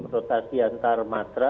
rotasi antarmatra sebetulnya tidak terjadi